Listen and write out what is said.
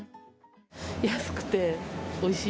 安くておいしい。